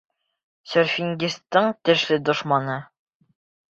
Серфингистың тешле дошманы.